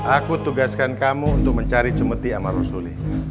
aku tugaskan kamu untuk mencari cemeti amal rasul